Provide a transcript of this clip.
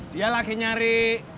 dia lagi nyari